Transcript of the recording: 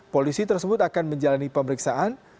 polisi tersebut akan menjalani pemeriksaan